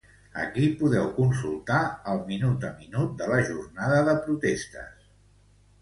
Ací podeu consultar el minut-a-minut de la jornada de protestes.